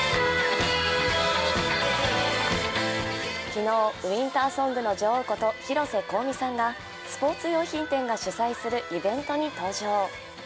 昨日、ウインターソングの女王こと広瀬香美さんがスポーツ用品店が主催するイベントに登場。